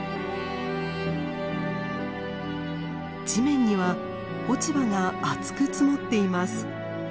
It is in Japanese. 地面には落ち葉が厚く積もっています。